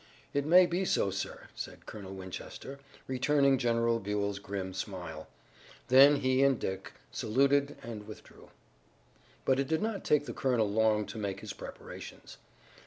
"It may be so, sir," said Colonel Winchester, returning General Buell's grim smile. Then he and Dick saluted and withdrew. But it did not take the colonel long to make his preparations.